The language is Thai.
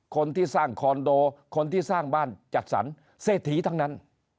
คนที่สร้างคอนโดคนที่สร้างบ้านจัดสรรเศรษฐีทั้งนั้น